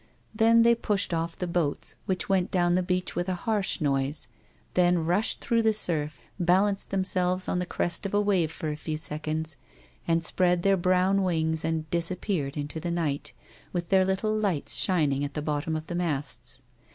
Then they pushed off the boats, which went down the beach with aharsli noise, then rushed through the surf, balanced themselves on the crest of a wave for a few seconds, and spread their brown wings and disappeared A WOMAN'S LIFE. 93 into the uight, with their little lights shining at the bottom of the masts.